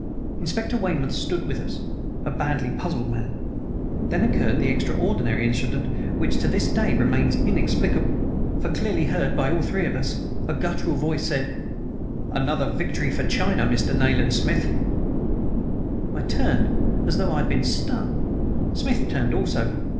Inspector Weymouth stood with us, a badly puzzled man. Then occurred the extraordinary incident which to this day remains inexplicable, for, clearly heard by all three of us, a guttural voice said: "Another victory for China, Mr. Nayland Smith!" I turned as though I had been stung. Smith turned also.